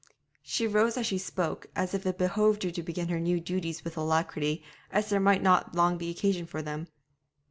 She rose as she spoke, as if it behoved her to begin her new duties with alacrity, as there might not long be occasion for them.